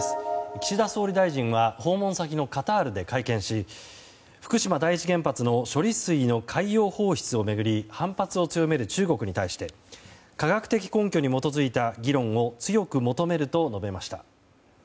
岸田総理大臣は訪問先のカタールで会見し福島第一原発の処理水の海洋放出を巡り反発を強める中国に対して科学的根拠に基づいた議論を強く求めると述べました。